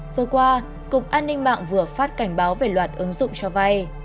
vừa qua cục an ninh mạng vừa phát cảnh báo về loạt ứng dụng cho vay